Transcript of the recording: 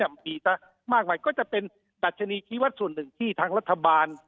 มีซะมากมายก็จะเป็นดัชนีชีวัตรส่วนหนึ่งที่ทางรัฐบาล